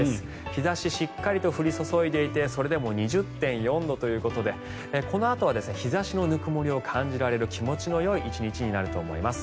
日差ししっかりと降り注いでいてそれでも２０．４度ということでこのあとは日差しのぬくもりを感じられる気持ちのよい１日になると思います。